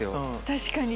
確かに。